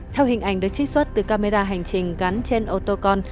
theo hình ảnh được trích xuất từ camera hành trình gắn trên ô tô con